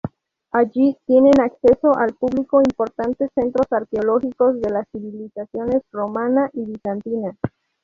Allí tienen acceso al público importantes centros arqueológicos de las civilizaciones romana y bizantina.